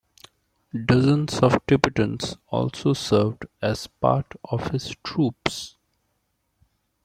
Dozens of Tibetans also served as part of his troops.